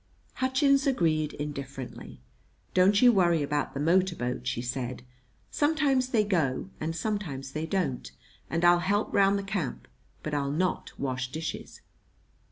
Hutchins agreed indifferently. "Don't you worry about the motor boat," she said. "Sometimes they go, and sometimes they don't. And I'll help round the camp; but I'll not wash dishes."